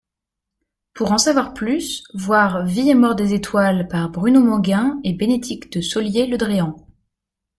Pour en savoir plus voir Vie et mort des étoiles par Bruno Manguin et Bénédicte Saulier-Le Dréan.